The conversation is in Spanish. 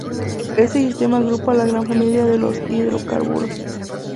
Este sistema agrupa a la gran familia de los hidrocarburos.